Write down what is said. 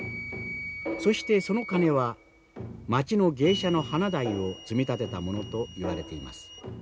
そしてその金は町の芸者の花代を積み立てたものといわれています。